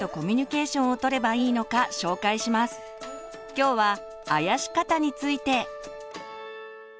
今日は「あやし方」について。